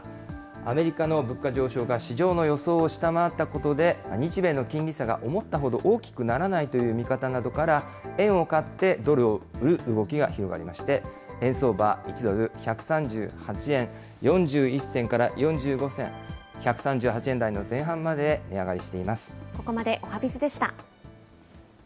アメリカの物価上昇が市場の予想を下回ったことで、日米の金利差が思ったほど大きくならないという見方などから、円を買ってドルを売る動きが広がりまして、円相場、１ドル１３８円４１銭から４５銭、１３８円台の前半までここまで、おはＢｉｚでした。